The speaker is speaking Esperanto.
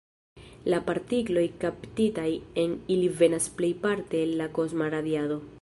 La partikloj kaptitaj en ili venas plejparte el la kosma radiado.